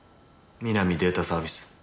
三波データサービス。